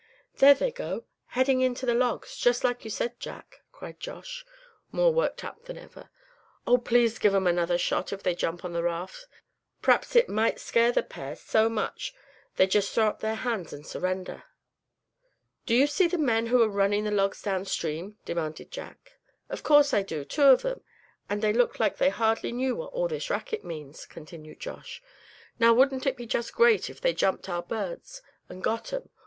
"There they go, heading in to the logs, just like you said, Jack!" cried Josh, more worked up than ever. "Oh! please give 'em another shot if they jump on the raft. P'raps it might scare the pair so much they'd just throw up their hands, and surrender." "Do you see the men who are running the logs down stream?" demanded Jack. "Of course I do, two of 'em, and they look like they hardly knew what all this racket means," Josh continued. "Now, wouldn't it be just great if they jumped our birds, and got 'em.